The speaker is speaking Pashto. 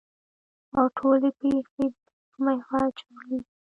او ټولې پېښې د ده په محور چورلي.